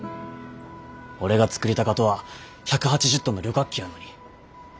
俺が作りたかとは１８０トンの旅客機やのに。